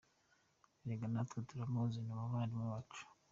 Erega natwe turamuzi, ni umuvandimwe wacu!